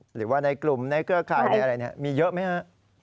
หรือว่าในกลุ่มในเครือข่ายในอะไรมีเยอะไหมฮะ